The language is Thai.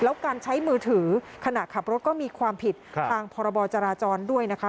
แล้วการใช้มือถือขณะขับรถก็มีความผิดทางพรบจราจรด้วยนะคะ